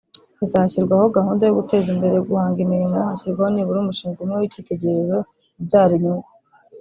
hazashyirwaho gahunda yo guteza imbere guhanga imirimo hashyirwaho nibura umushinga umwe w’icyitegererezo ubyara inyungu